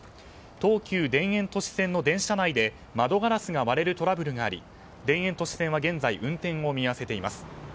東急田園都市線の電車内で窓ガラスが割れるトラブルがあり田園都市線は、現在運転を見合わせています。